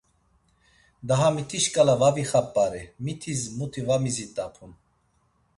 Daha miti şǩala va vixap̌ari, mitis muti va mizit̆apun.